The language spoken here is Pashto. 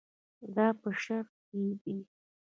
دا په شرق کې دي.